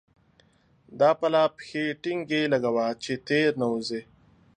دا پلا پښې ټينګې لګوه چې تېر نه وزې.